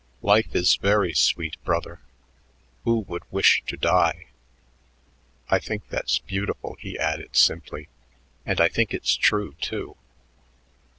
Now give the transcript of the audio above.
Life is very sweet, brother; who would wish to die?' I think that's beautiful," he added simply, "and I think it's true, too."